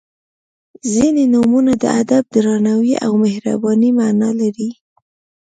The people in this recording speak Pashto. • ځینې نومونه د ادب، درناوي او مهربانۍ معنا لري.